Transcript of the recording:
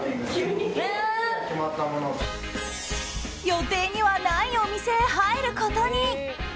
予定にはないお店へ入ることに。